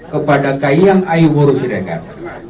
kepada kahiyang ayu buru sidangkan